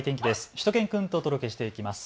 しゅと犬くんとお届けしていきます。